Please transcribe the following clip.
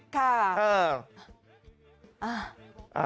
ค่ะ